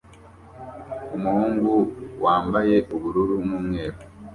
Umuhungu wambaye ubururu n'umweru